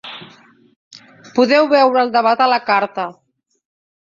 Podeu veure el debat a la carta.